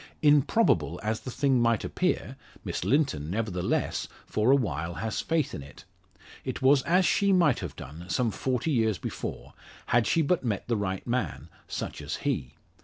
Improbable as the thing might appear Miss Linton, nevertheless, for a while has faith in it. It was as she might have done, some forty years before, had she but met the right man such as he.